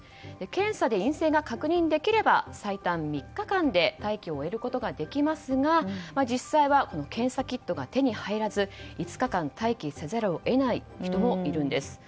検査で陰性が確認できれば最短３日間で待機を終えることができますが実際は検査キットが手に入らず５日間、待機せざるを得ない人もいるんです。